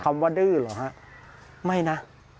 คำว่าดื้อเหรอฮะไม่นะ